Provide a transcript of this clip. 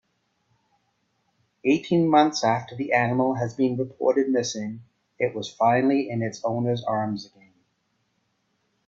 Eighteen months after the animal has been reported missing it was finally in its owner's arms again.